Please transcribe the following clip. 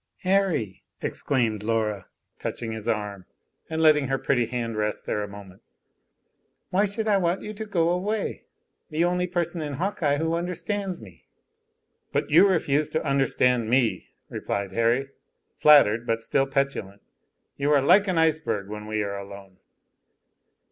"Harry!" exclaimed Laura, touching his arm and letting her pretty hand rest there a moment. "Why should I want you to go away? The only person in Hawkeye who understands me." "But you refuse to understand me," replied Harry, flattered but still petulant. "You are like an iceberg, when we are alone."